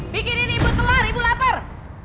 bikinin ibu telur ibu lapar